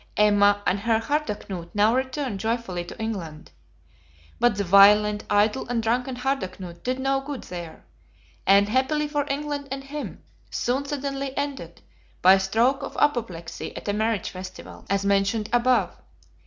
Emma and her Harda Knut now returned joyful to England. But the violent, idle, and drunken Harda Knut did no good there; and, happily for England and him, soon suddenly ended, by stroke of apoplexy at a marriage festival, as mentioned above.